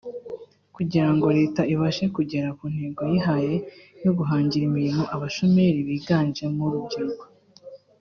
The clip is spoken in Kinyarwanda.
kugira ngo Leta ibashe kugera ku ntego yihaye yo guhangira imirimo abashomeri biganje mu rubyiruko